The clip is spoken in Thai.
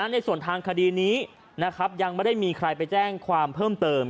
ในส่วนทางคดีนี้ยังไม่ได้มีใครไปแจ้งความเพิ่มเติม